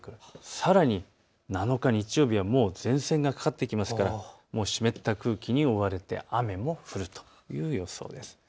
さらに７日日曜日は前線がかかってきますから湿った空気に覆われて雨も降るという予想です。